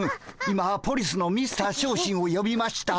今ポリスのミスター小心をよびました。